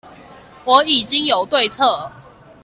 我已經有對策